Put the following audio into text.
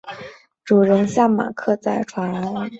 那些采用一个或多个非密封隔膜与被泵送两侧的流体。